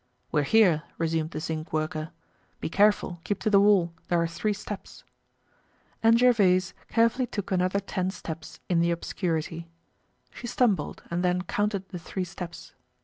"We're here," resumed the zinc worker. "Be careful, keep to the wall; there are three steps." And Gervaise carefully took another ten steps in the obscurity. She stumbled and then counted the three steps.